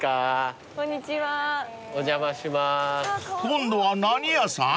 ［今度は何屋さん？］